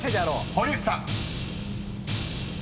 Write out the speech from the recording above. ［堀内さん］